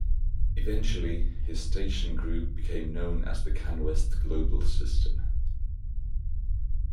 Eventually, his station group became known as the Canwest Global System.